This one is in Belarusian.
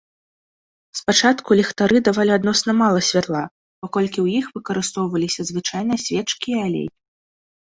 Спачатку ліхтары давалі адносна мала святла, паколькі ў іх выкарыстоўваліся звычайныя свечкі і алей.